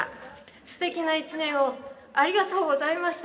すてきな一年をありがとうございました。